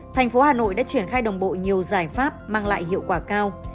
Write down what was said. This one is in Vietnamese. thành phố hà nội đã triển khai đồng bộ nhiều giải pháp mang lại hiệu quả cao